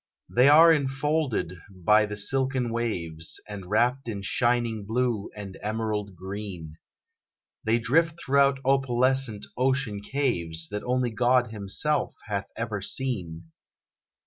They are infolded by the silken waves, And wrapped in shining blue, and emerald green; They drift through opalescent ocean caves, That only God Himself hath ever seen.